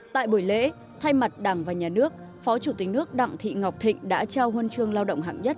tại buổi lễ thay mặt đảng và nhà nước phó chủ tịch nước đặng thị ngọc thịnh đã trao huân chương lao động hạng nhất